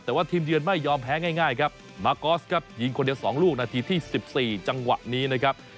แต่ว่าทีมเยือนไม่ยอมแพ้ง่ายครับมากอสครับยิงคนเดียว๒ลูกนาทีที่๑๔จังหวะนี้นะครับ